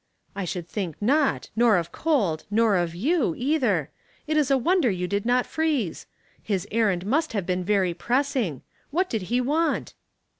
" I should think not, nor of cold, nor of you, either. It is a wonder you did not freeze. His errand must have been very pressing. What did he want?"